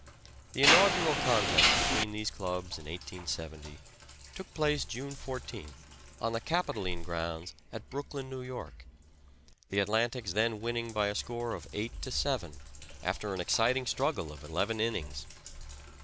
The inaugural contest between these clubs in 1870 took place June 14th on the Capitoline grounds at Brooklyn, N. Y., the Atlantics then winning by a score of 8 to 7 after an exciting struggle of eleven innings.